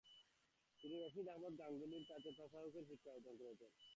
তিনি রশিদ আহমদ গাঙ্গুহির কাছে তাসাউফের শিক্ষা অর্জন করেছেন।